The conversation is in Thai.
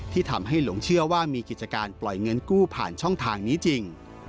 ที่ทำให้หลงเชื่อว่ามีกิจการปล่อยเงินกู้ผ่านช่องทางนี้จริง